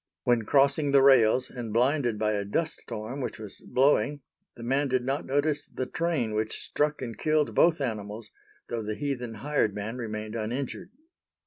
When crossing the rails, and blinded by a dust storm which was blowing, the man did not notice the train which struck and killed both animals, though the heathen hired man remained uninjured.